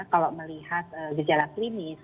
kalau melihat gejala klinis